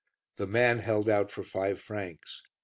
The man held out for five francs.